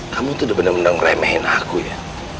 kamu tuh udah bener bener ngeremehin aku ya